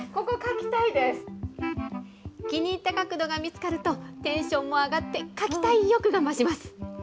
気に入った角度が見つかると、テンションも上がって、描きたい意欲が増します。